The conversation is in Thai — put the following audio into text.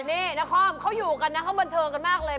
นี่นครเขาอยู่กันนะเขาบันเทิงกันมากเลย